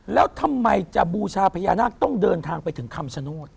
แล้วทำไมจะบูชาพญานาคต้องเดินทางไปถึงคำชโนธ